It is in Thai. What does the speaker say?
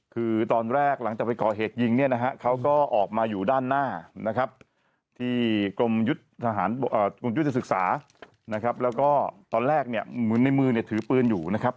คือตอนแรกหลังจากไปก่อเหตุยิงเนี่ยนะฮะเขาก็ออกมาอยู่ด้านหน้านะครับที่กรมยุทธศึกษานะครับแล้วก็ตอนแรกเนี่ยเหมือนในมือเนี่ยถือปืนอยู่นะครับ